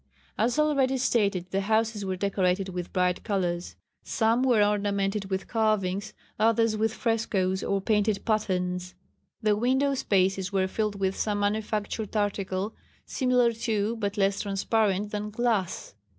As already stated the houses were decorated with bright colours. Some were ornamented with carvings, others with frescoes or painted patterns. The window spaces were filled with some manufactured article similar to, but less transparent than, glass.